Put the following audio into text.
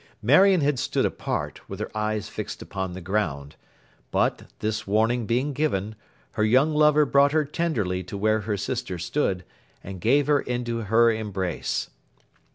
Marion had stood apart, with her eyes fixed upon the ground; but, this warning being given, her young lover brought her tenderly to where her sister stood, and gave her into her embrace.